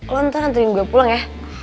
lo ntar anterin gue pulang ya